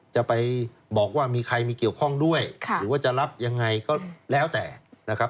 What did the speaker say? จะไปบอกว่ามีใครมีเกี่ยวข้องด้วยหรือว่าจะรับยังไงก็แล้วแต่นะครับ